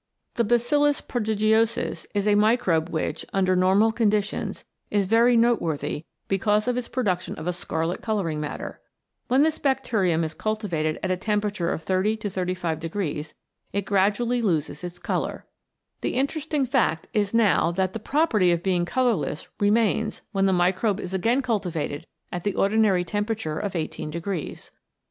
The Bacillus prodigiosus is a microbe which, under normal conditions, is very noteworthy because of its production of a scarlet colouring matter. When this bacterium is cul tivated at a temperature of 30 to 35 degrees it gradually loses its colour. The interesting fact L 145 CHEMICAL PHENOMENA IN LIFE is now that the property of being colourless remains when the microbe is again cultivated at the ordinary temperature of 18 degrees.